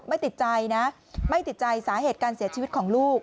ไม่ติดใจนะไม่ติดใจสาเหตุการเสียชีวิตของลูก